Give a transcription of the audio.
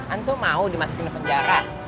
anto mau dimasukin ke penjara